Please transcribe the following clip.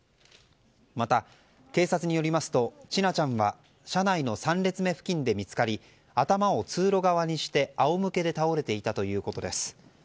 また、警察によりますと千奈ちゃんは車内の３列目付近で見つかり頭を通路側にして仰向けで倒れていたということです。